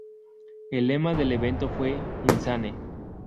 El lema del evento fue ""Insane.